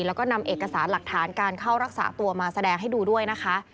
แล้วก็นำเอกสารหลักฐานการเข้ารักษาตัวมาแสดงให้ดูด้วยนะคะ